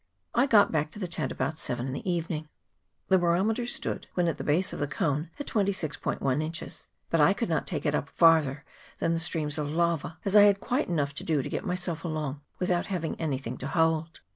I got back to the tent about seven in the evening. The barometer stood when at the base of the cone at 26*1 inches, but I could not take it up farther than the streams of lava, as I had quite enough to do to get myself along, without having anything to hold.